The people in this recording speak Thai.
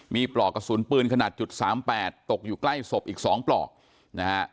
มีปลอกกระสุนปืนขนาด๓๘ตกอยู่ใกล้ศพอีก๒ปลอก